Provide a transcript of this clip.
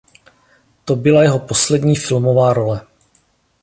To byla jeho poslední filmová role.